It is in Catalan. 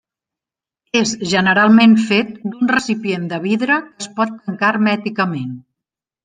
És generalment fet d'un recipient de vidre que es pot tancar hermèticament.